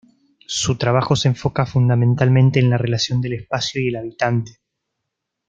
Su trabajo se enfoca fundamentalmente en la relación del espacio y el habitante.